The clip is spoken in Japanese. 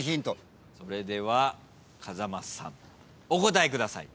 それでは風間さんお答えください。